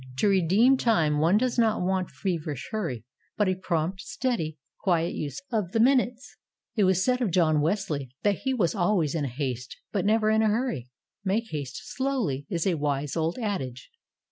To redeem time one does not want fever ish hurry, but a prompt, steady, quiet use 60 THE soul winner's SECRET. of the minutes. It was said of John Wesley that he was always in haste, but never in a hurry. "Make haste slowly," is a wise old adage.